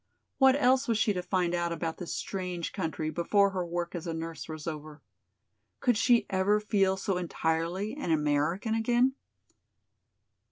What else was she to find out about this strange country before her work as a nurse was over? Could she ever feel so entirely an American again?